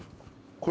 これ？